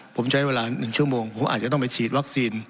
ผมใช้เวลา๑ชั่วโมงผมอาจจะต้องไปฉีดวัคซีน